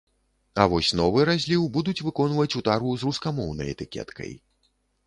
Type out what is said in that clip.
А вось новы разліў будуць выконваць у тару з рускамоўнай этыкеткай.